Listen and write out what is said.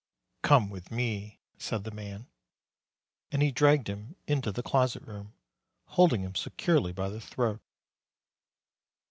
"Come with me," said the man. And he dragged him into the closet room, holding him securely by the throat.